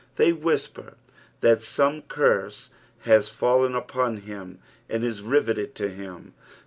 They whisper that some curse has fallen upon Jiim, and is riveted to him.